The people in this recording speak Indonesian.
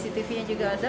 cctv nya juga ada